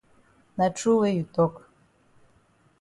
Na true wey you tok.